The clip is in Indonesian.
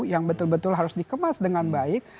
yang betul betul harus dikemas dengan baik